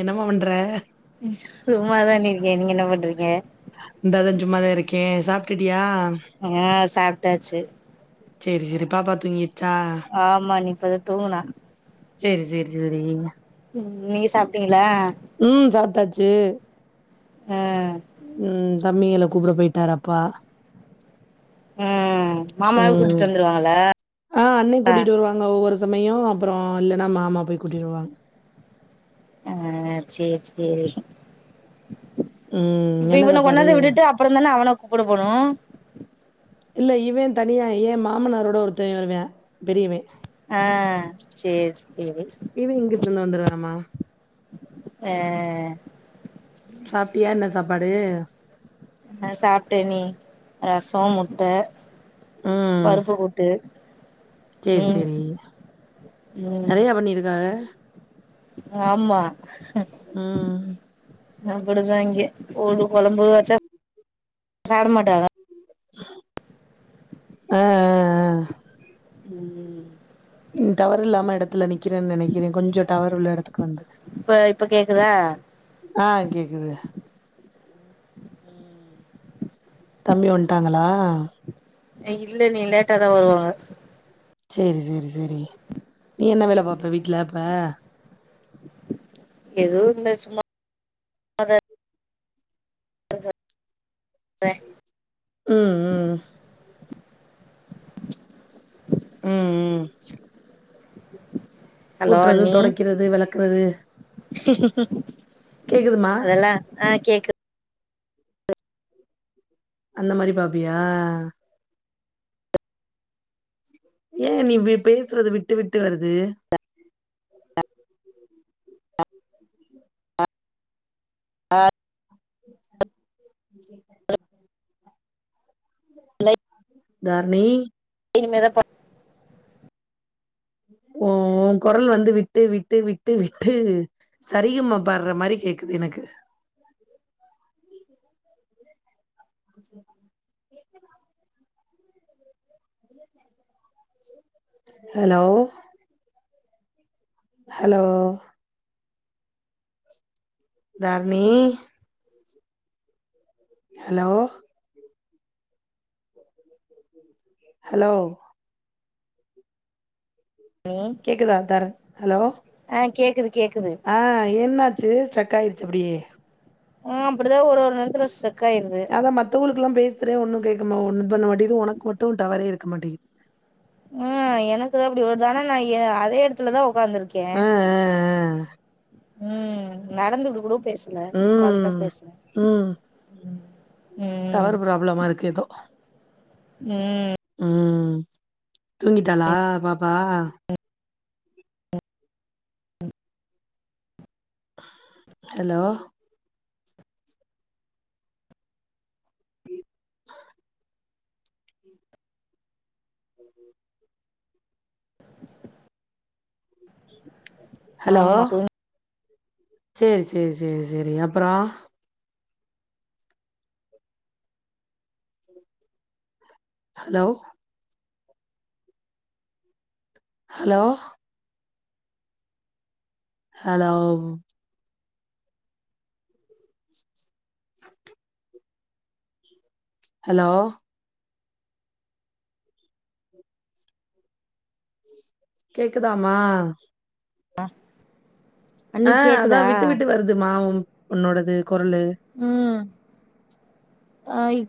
என்னம்மா பண்ற சும்மா தாண்ணே இருக்கே நீங்க என்ன பண்றீங்க இந்தாதா சும்மாதா இருக்கே [unintelligible] ஆ சாப்ட்டாச்சு சேரி சேரி பாப்பா தூங்கி ஆமா நிப்ப தா தூங்குனா சேரி சேரி சேரி உம் நீங்க சாப்ட்டீங்களா ச்சு [unintelligible] ம் உம் தம்பிகள கூப்ட போயிட்டாரு அப்பா உம் உம் ஆஹ் அண்ணே கூட்டிட்டு வருவாங்க ஒவ்வொரு சமயோ அப்றோ இல்லன்னா மாமா போய் கூட்டிடுவாங்க ஆஹ் சேரி சேரி ம் இப்ப என்ன இவன சாப்பாடு கொண்டாந்து விட்டுட்டு அப்றோ தானே அவன கூப்ட போனோ இல்ல இவன் தனியா ய மாமனாரோட ஒருத்த வருவியா பெரியவ ஆ சேரி சேரி ஆமா அஹ் சாப்டியா என்ன சாப் பாடு ஆஹ் சாப்பிட்டே நீ ரஸ் போ முட்டை ம் பருப்பு போட்டு சேரி சேரி ம் நிறைய பண்ணிருக்காக ஆமா உம் அப்படிதான் இங்கே‌ ஒரு குழம்புவச்சா சாப்பிட மாட்டங்கா ஆஹ் ஆஹ் ஆஹ் உம் உம் டவர் இல்லாம இடத்துல நிற்கிறேன்னு நினைக்கிறேன் கொஞ்சம்டவர் உள்ள இடத்துக்கு வந்து இப்ப இப்ப கேக்குதா ஆ கேக்குது தம்பி வன்டாங்களா ஆஹ் இல்ல இன்னைக்கு லேட்டாாதான் வருவாங்க சேரி சேரி சேரி நீ என்ன வேல பாப்ப வீட்டுல‌ அப்ப எதுவும் இல்ல சும்மா தான் இருக் ச உம் உம் உம் உம் ஹலோ கூட்டுறது துடக்கிறது விளக்கறது ச அதெல்லா ஆஹ் கேக்குது உ [unintelligible] அந்த மாரி பாப்பியா ஏன் நீ பேசுறது விட்டு விட்டு வருது ஆஹ் [inaudible] தாரணி இனிமேத ப உம் ஓ குரல் வந்து விட்டு விட்டு விட்டு விட்டு சரிகமா பாடுற மாரி கேக்குது எனக்கு சரி hello hello Dharani hello hello பண்ணி கேக்குதா தர ஹலோ ஆ கேக்குது கேக்குது ஆஹ் என்ன ச்சு ஸ்டக் ஆயிடுச்சு அப்படியே ஆஹ் அப்படிதான் ஒரு நேரத்து ஸ்டக் அதான் மத்தவங்களுக்குல்லாம் பேச பேசுற ஒன்னும் கேக்க ஒன்னும் பண்ண மாட்டேது உனக்கு மட்டும் டவறே இருக்க மாட்டேது உம் எனக்குதான் அப்படி வருது ஆனா நா எ அதே இடத்துலதான் உட்கார்ந்திருக்கேன் ஆ ஆ உம் நடந்து விடுக்கணு பேசுனே ஆ உக்காந்தா ம் பேசுனே ம் உம் டவர் ப்ராபுளமா இருக்கு எதோ உம் உம் தூங்கிடாளா பாப்பா ஹலோ ஹலோ ஆமா தூங் சேரி சேரி சேரி சேரி அப்பறோ ஹலோ ஹலோ ஹலௌ ஹலோ கேக்குதாமா ஆஹ் ஆஹ் அதா விட்டு விட்டு வருதுமா உம் உன்னோடது கொர்லு ம்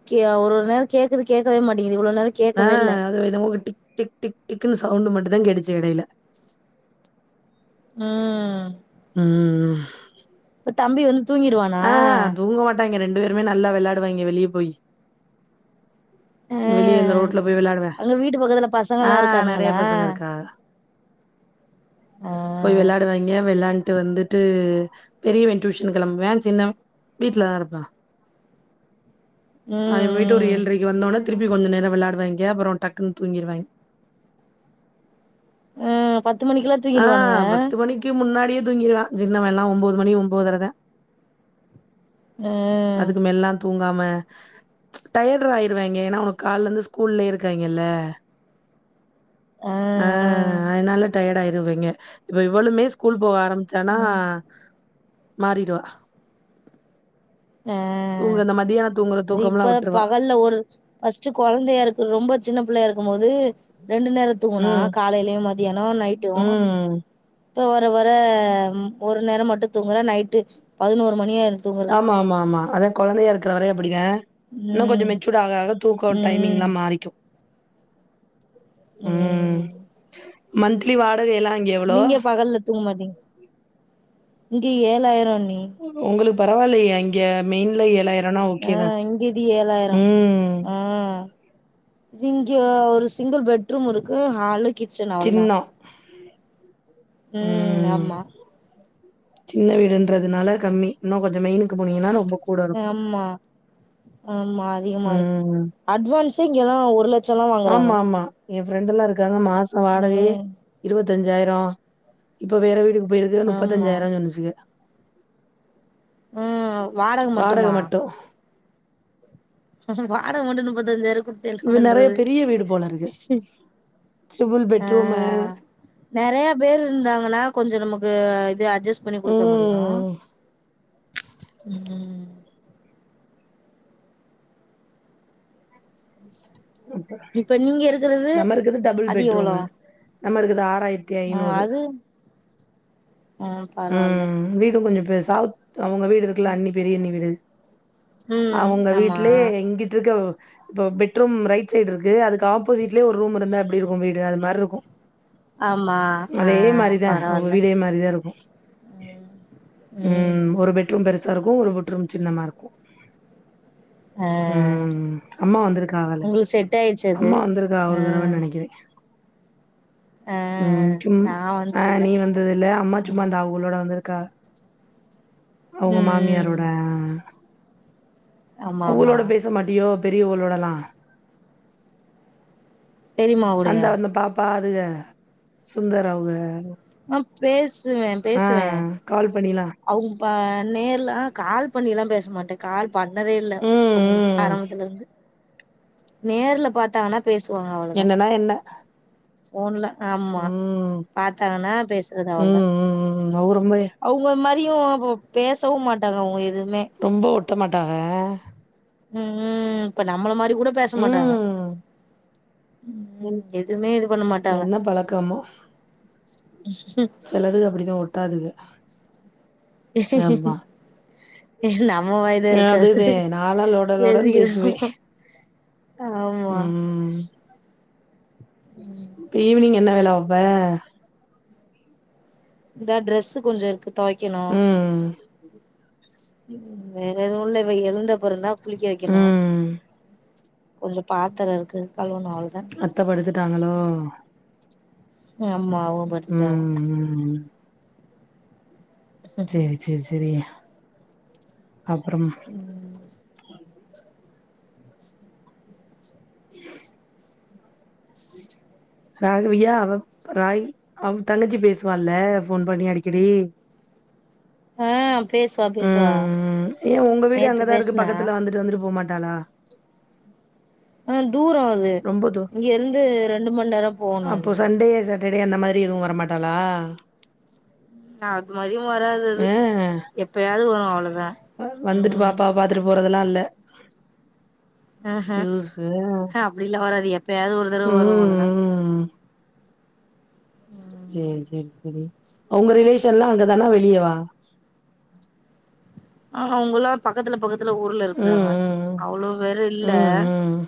க்கி ஒர் ஒரு நேரம் கேக்குது கேக்கவே மாட்டிங் இவ்ளோ நேர ஆ கேக்கவே இல்ல அது என்னமோ டிக் டிக் டிக் டிக்ன்னு சவுண்ட் மட்டும்தா கேட்டுச்சு எடையில உம் உம் ம் தம்பி வந் தூங்கிருவானா ண்டு பேருமே நல்லா வெளாடுவாயிங்க வெளியே போய் ஆ வெளியே இந்த ரோட்ல போய் வெளாடுவே அங்க வீட்டு பக்கத்துல பசங்கல்லா ஆஹ் நெறைய இருக்கானுங்களா பசங்க இருக்காக ஆ போய் வெளையாடுவாயிங்க விளாண் ட்டு வந்துட்டு பெரியவன் டூஷன் கிளம்புவாயின் சின்னவ வீட்டுலதா இருப்பா அவைன் போயிட்டு ஒரு ம் ம் ஏழ்றைக்கு வந்தோன திருப்பி கொஞ்ச நேர வெளாடுவாயிங்க அப்புறௌ டக்குன்னு தூங்கிருவாயிங் உம் பத் பத்து மணிக்குல்லா தூங்கிடுவானுங்க தூங்கிடுவே ஜின்ன வேல்லாம் ஒன்பது மணி ஒன்பதரதேன் அஹா நாம டயர்ட் ஆயிருவாங்க ஏனா அவுங்க கால்ல இருந்து ஸ்கூல்ல இருக்காயிங்கில்ல ஆ அஹா ஆ அயினால டயர்ட் து இவிங்க இவ்வுளுமே ஸ்கூல் போக ஆரம்பிச்சனா ம் மாறிடுவா ஆஹ தூங்க இந்த மதியான தூங்குற அது தூக்கம்லா இப்ப விட்டுருவா. பகல்ல ஒரு ஃபர்ஸ்ட் குழந்தையா இருக்கு ரொம்ப சின்ன பிள்ளையா இருக்கு க்கும்மோது ரெண்டு நேரம் தூங்கனா ம் காலையிலயும் மதியனம் நைட்டும் ம் இப்போ வர வர ஒரு நேரம் மட்டும் தூங்குற நைட்டு பதினோரு மணியா ஆமா ஆமா ஆமா அதா குழந்தையா இருக்கிற வரயும் அப்படிதா இன்னும் கொஞ்சம் ம் மெச்சூட ஆக ஆக தூக்கம் டைமிங் ம் எல்லாம் மாறிக்கும் [inaudible] உம் ம் மந்தலி வா நீங்க பகல்ல தூங்கமாட்டிங்க இங்க ஏழாயிரம் உங்களுக்கு பரவாயில்லையே அங்கே மெயின்ல ஏழாயிரம் ஆ இங்கிது ஏழாயிரம் ம் ஆ இங்க ஒரு சிங்கிள் பெட்ரூம் இருக்கு ஹாலு கிச்சன் அவ்ளோதான் சின்னோ உம் ம் ஆமா சின்ன ம் வீடுன்றதுனால கம்மி இன்னும் கொஞ்சம் மெய்னுக்கு போனீங்கன்னா ரொம்ப கூட இருக்கு. ஆமா ஆமா அதிகமா இருக்கும் ம் அட்வான்ஸ் [unintelligible] ஒரு லட் சல்லாம் வாங்குறாங்க என்ஃபிரண்ட் எல்லாம் இருக் காங்க மாசம் வாடகையே ம் இருபத் தஞ்சாயிரம் இப்ப வேற வீடு வேற இது ஆமா முப்பத்தஞாயிரம்னு சொன்னச்சுங்க ம் வாடக வாடகை மட்டுமா மட்டும். வாடக மட்டு நுப்பத்தஞ்சாயிரம் குடுத்து என்ன இது நெறைய பண்றது பெரிய வீடு போல இருக்கு. ட்ரிபிள் ஆ பெட்ரூமு நெறைய பேர் இருந்தாங்கன்னா கொஞ்ஜோ நமக்கு [unintelligible] அப்டியே அட்ஜஸ் பண்ணி குடுக்க முடியும ம். உம் [inaudible] இப்ப நீங்க இருகறது நம்ம இருக்குது டபுள் அது எவ்ளோ பெட்ரூமு. நம்ம இருக்குதா ஆயிரத்தி ஐநூறு ம் பரவால்ல வீடும் கொஞ்சம் சவுத் அவுங்க வீடு இருக்குல அண்ணி பெரியண்ணி வீடு ம் அவுங்க ஆமா வீட்லயே எங்கிட்டு இருக்க இப்போ பெட்ரூம் ரைட் சைட் இருக்கு அதுக்கு ஆப்போசிட்லயே ஒரு ரூம் இருந்தா எப்டி இருக்கு வீடு அது மார்ரி இருக்கு ஆமா ஆ அதே மாரி தா அவுங்க பரவால்ல வீடே மாரி தா இருக்கு ம் ஒரு பெட்ரூம் பெரிச சா இருக்கு ஒரு பெட் ரூம் சின்னமா இருக்கு ஆ ம் ம் அம்மா வந்திருக்காங்ளே உங்களுக்கு செட் ஆயிடுச்சு அது அம்மா வந்திருக்கா ஆ ஒரு தடவன்னு நெனைக்குரே ஆ ம் சும் நா ஆ வந்ததில்ல நீ வந்தது இல்ல அம்மா சும்மா ம் அந்தா அவங்களோட வந்துரு க்க அவுங்க ம் மாமியாரோட ஆமா ஆமா அவுங்களோட பேச மாட்டியோ பெரியவளோடலா பெரிம்மா அந்த கூடயா வந்த பாப்பா அதுங்க சுந்தரவுங்க ஆ பேசுவே பேசுவே கால் பண்ணிலாம். அவுங்க ப நேர்லா அ கால் பண்ணில்லா பேசமாட்டே கால்ப் பண்ணதே இல்ல ம், அவுங்களுக்கு ம். ஆரம்பத்துல இருந்து நேர்ல பாத்தாங்கனா என்னன்னா என்ன போன்ல ஆமா ம். பாத்தாங்கன்னா பேசுறது அவ்வளவுதா அவரு ரொம்பவே எப்பயும் பே பேசவும் மாட்டாங்க அவுங்க எது ரொம்ப ஒ ட்ட மாட்டாக உம் உம் இப்ப நம்மள மாரி கூட பேச மாட்டாங்க உம்ம் உம் ம் எதுவுமே இது பண்ண மாட்டாங்க என்ன பழக்கமோ சிலதுக அப்புடிதான் ஒட்டாதுக ஆமா. [unintelligible] [unintelligible] இருக்காது அதுதேன் நானும் லோடலோடன்ன்னு பேசுவேன் பேசிக்கிறோ ஆமா உம்ம் ம் இப்ப ஈவினிங் என்ன வேல பாப்பா இந்த டிரஸ்ஸுகொஞ்சம் எடுத்து துவைக்கணும் ம். வேற எதுவும் இல்ல இவ எழுந்தப்புறந்தான் குளிக்க வைக்கணும் ம். கொஞ்சம் பாத்திரம் இருக்கு கழுவனும் அவ்ளோ தான் ட்டாங்களோ அம்மாவு உம் படுத்துட்டாங்க உஹம் சேரி சேரி சேரி அப்புறமா ம் [inaudible] ராகவியா அவ ராகி அவ தங்கச்சி பேசுவால போன் பண்ணி அடிக்கடி ஆ பேசுவா பேசுவா உம் உம் ஏன் உங்க வீடு நேத்து அங்கதான் இருக்கு பேசுனா பக்கத்துல வந்துட்டு வந்துட்டு போமாட் காலா [unintelligible] தூரம் அது இங்க இருந்து ரெண்டு மணி நேரம் போவணும் நீ செரி அந்த மாதிரி எதுவும் வரமாட்டாளா உம் அது மாதிரி வராது அது அ எப்பயாவது வரும் அவ்ளோ தான் வந்துட்டு உம் பாப்பாவ பாத்துட்டு போறதெல்லாம் இல்ல லூசு. ஆஹ்ஹம்ஹ் அப்படிலாம் வராது எப்ப யாவது ஒரு தடவை ம் வரும் அவளோ தான் ம். சேரி சேரி சேரி அவுங்க ரிலேஷன்லாம் அங்கதானா வெளியவா ஆஹ் அவுங்க எல்லாம் பக்கத்துல பக்க த்துல ஊர்ல ம் இருக்கறாங்க ம் அவ்ளோ பேரும் ம் இல்ல ம் ம்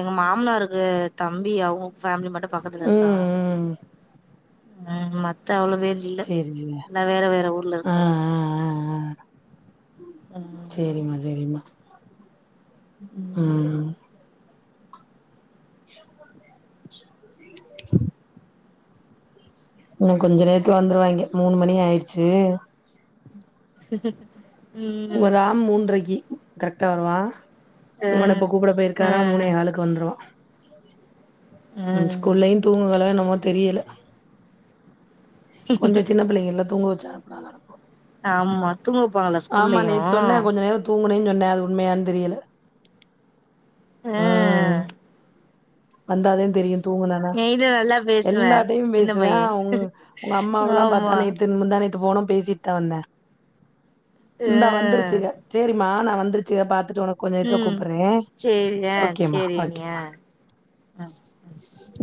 எங்க மாமனாருக்கு தம்பி அவுங்க ஃபேமிலி மட்டும் பக்கத்துல ம் இருக்காங்க ம் உஹம் மத்த அவ்ளோ பேர் இல்ல சேரி சேரி எல்லா வேற வேற ஊர்ல இருக்காங்க ஆஹ்ஹ்ஹ் உ [unintelligible] ம் சேரிம்மா சேரிம்மா ம் உம் [unintelligible] உ கொஞ்ச நேரத்துல வந்துருவாங்க மூணு மணி ஆயிடுச்சு ச [inaudible] ராம் மூன்றரைக்கி கரெக்டா வருவா ம் ம் [unintelligible] உம் ம் ஸ்கூல்லயையும் தூங்குங்களோ என்னம்மோ தெரியல கொஞ்சம் சின்ன பிள்ளைங்க எல்லாம் தூங்க ப்பட போ [inaudible] ஆம்மா தூங்கப்பாங்களா நேத்து ஸ்கூல்லயும் சொன்னே கொஞ்ச நேரோ தூங்குனேன்னு அது உண்மையான தெரியல உம் ம் வந்தாதேன் தெரியும் தூங்குனத என்கிட்ட நல்லா பேசுவா எல்லாதாதையும் சின்ன பைய பேசுவேன் உங்க அம்மாவல்லாம் ஆமா பத்தே முந்தாணேத்து போனோம் பேசிட்டு தா வந்தேன் இந்தா ம் வந்துருச்சுக சரிமா நான் வந்துருச்சுக பாத்து உனக்கு கொஞ்ச நேரத்துல ம் கூப்பறேன் சேரி ஆ ஓகேம்மா சேரி அண்ணி ஓகே ஆ ஆ உ